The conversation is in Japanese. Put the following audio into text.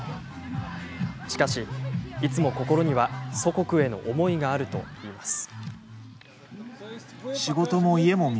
しかし、いつも心には祖国への思いがあるといいます。